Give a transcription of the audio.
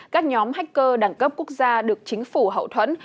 các nhóm hacker đẳng cấp quốc gia được chính phủ hậu thuẫn